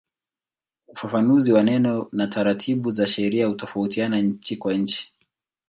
Ufafanuzi wa neno na taratibu za sheria hutofautiana nchi kwa nchi.